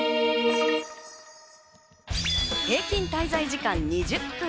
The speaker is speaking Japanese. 平均滞在時間２０分。